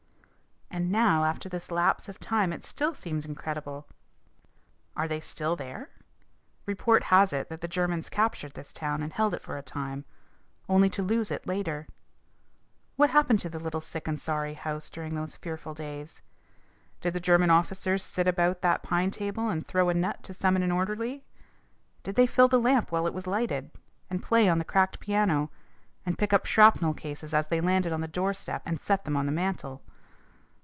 And now, after this lapse of time, it still seems incredible. Are they still there? Report has it that the Germans captured this town and held it for a time, only to lose it later. What happened to the little "sick and sorry" house during those fearful days? Did the German officers sit about that pine table and throw a nut to summon an orderly? Did they fill the lamp while it was lighted, and play on the cracked piano, and pick up shrapnel cases as they landed on the doorstep and set them on the mantel?